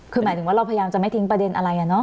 คือหมายถึงว่าเราพยายามจะไม่ทิ้งประเด็นอะไร